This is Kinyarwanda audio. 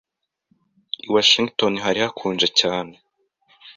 I Washington hari hakonje cyane.